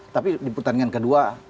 tapi di pertandingan kedua